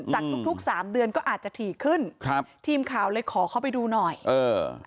จากทุกทุกสามเดือนก็อาจจะถี่ขึ้นครับทีมข่าวเลยขอเข้าไปดูหน่อยเออ